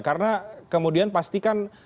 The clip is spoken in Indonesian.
karena kemudian pastikan